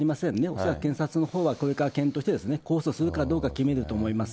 恐らく検察のほうはこれから検討して、控訴するかどうか決めると思います。